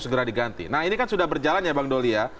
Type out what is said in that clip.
segera diganti nah ini kan sudah berjalan ya bang doli ya